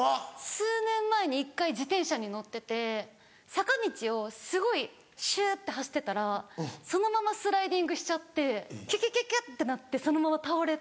数年前に１回自転車に乗ってて坂道をすごいシュって走ってたらそのままスライディングしちゃってキュキュキュキュってなってそのまま倒れて。